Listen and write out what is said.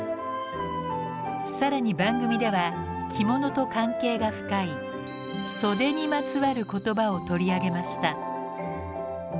更に番組では着物と関係が深い「袖」にまつわる言葉を取り上げました。